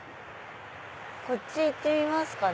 こっち行ってみますかね